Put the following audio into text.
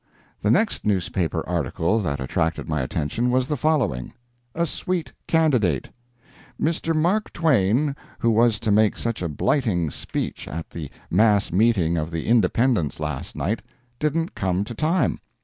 ] The next newspaper article that attracted my attention was the following: A SWEET CANDIDATE. Mr. Mark Twain, who was to make such a blighting speech at the mass meeting of the Independents last night, didn't come to time!